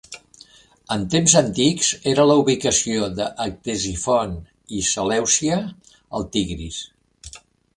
En temps antics era la ubicació de Ctesifont i Selèucia al Tigris.